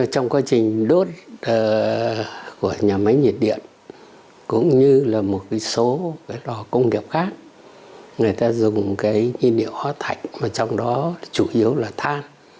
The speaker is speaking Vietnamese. công nghệ đốt than phun nhằm tận dụng các nguồn than